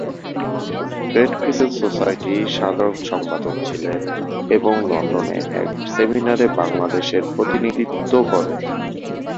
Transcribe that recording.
Red Crescent Society সাধারণ সম্পাদক ছিলেন এবং লন্ডনে এক সেমিনারে বাংলাদেশের প্রতিনিধিত্ব করেন।